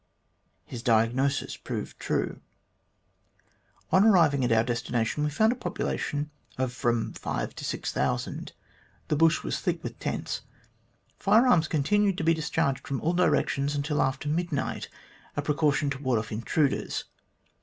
His diagnosis proved true. " On arriving at our destination we found a population of from 5000 to 6000. The bush was thick with tents. Firearms continued to be discharged from all directions until after mid night a precaution to ward off intruders.